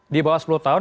di bawah sepuluh tahun